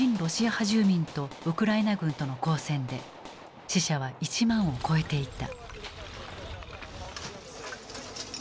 住民とウクライナ軍との交戦で死者は１万を超えていた。